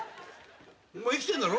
お前生きてんだろ？